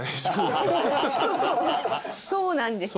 そうなんですよ。